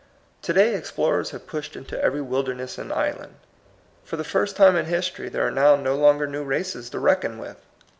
To day explorers have pushed into every wilderness and island. For the first time in history there are now no longer new races to reckon with.